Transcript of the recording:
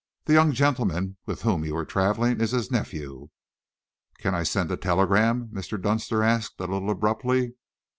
"The young gentleman with whom you were travelling is his nephew." "Can I send a telegram?" Mr. Dunster asked, a little abruptly.